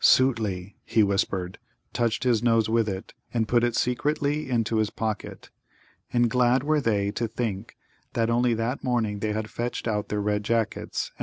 "Sōōtli," he whispered, touched his nose with it, and put it secretly into his pocket. And glad were they to think that only that morning they had fetched out their red jackets and Nod his wool coat.